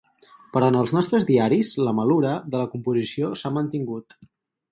Però en els nostres diaris la malura de la composició s'ha mantingut.